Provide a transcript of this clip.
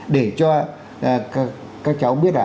để cho các cháu biết là